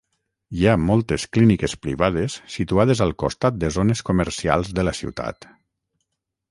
Hi ha moltes clíniques privades situades al costat de zones comercials de la ciutat.